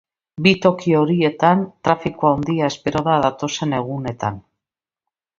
Bi toki horietan trafiko handia espero da datozen egunetan.